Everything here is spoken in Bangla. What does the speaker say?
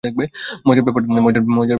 মজার না ব্যাপারটা?